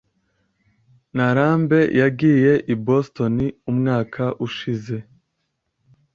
Narambe yagiye i Boston umwaka ushize.